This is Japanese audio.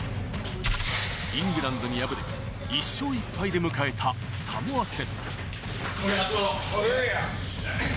イングランドに敗れ、１勝１敗で迎えたサモア戦。